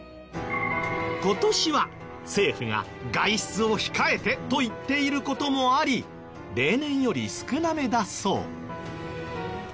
今年は政府が「外出を控えて！」と言っている事もあり例年より少なめだそう。